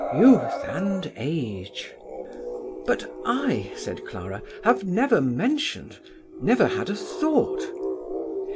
" Youth and age!" "But I," said Clara, "have never mentioned, never had a thought